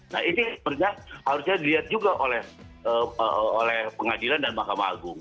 nah ini sebenarnya harusnya dilihat juga oleh pengadilan dan mahkamah agung